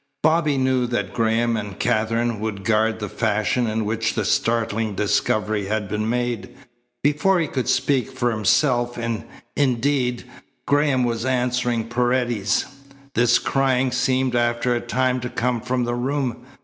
Bobby knew that Graham and Katherine would guard the fashion in which the startling discovery had been made. Before he could speak for himself, indeed, Graham was answering Paredes: "This crying seemed after a time to come from the room.